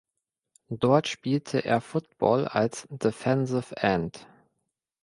Dort spielte er Football als Defensive End.